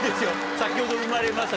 「先ほど生まれました」